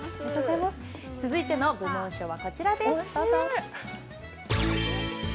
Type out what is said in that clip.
続いての部門賞はこちらです。